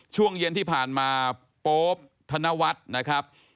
ช่วงเย็นที่ผ่านมาโป๊ปธนวัฒน์นะครับ